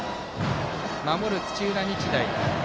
守る土浦日大。